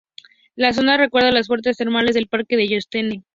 La zona recuerda a las fuentes termales del parque de Yellowstone.